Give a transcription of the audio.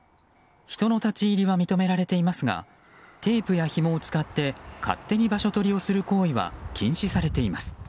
人の立ち入りは認められていますがテープやひもを使って勝手に場所取りをする行為は禁止されています。